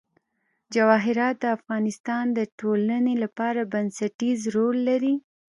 جواهرات د افغانستان د ټولنې لپاره بنسټيز رول لري.